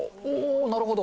なるほど。